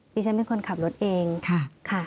ดิฉันเป็นคนขับรถเองค่ะ